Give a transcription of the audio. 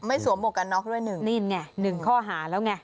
สวมหวกกันน็อกด้วยหนึ่งนี่ไงหนึ่งข้อหาแล้วไง